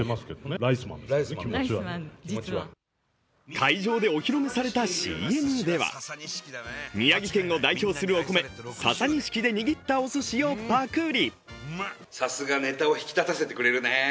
会場でお披露目されたＣＭでは、宮城県を代表するお米、ササニシキで握ったおすしをパクリ。